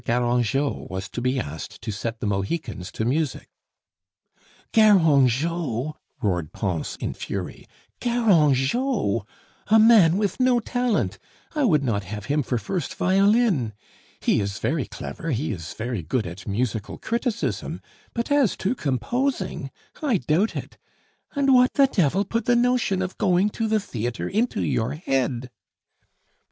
Garangeot was to be asked to set the Mohicans to music " "Garangeot!" roared Pons in fury. "Garangeot! a man with no talent; I would not have him for first violin! He is very clever, he is very good at musical criticism, but as to composing I doubt it! And what the devil put the notion of going to the theatre into your head?"